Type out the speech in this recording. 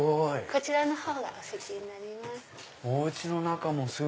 こちらのお席になります。